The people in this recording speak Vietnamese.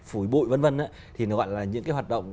phủi bụi v v thì nó gọi là những cái hoạt động